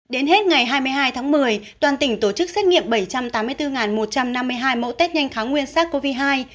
đến hết ngày hai mươi hai tháng một mươi toàn tỉnh tổ chức xét nghiệm bảy trăm tám mươi bốn một trăm năm mươi hai mẫu test nhanh kháng nguyên sars cov hai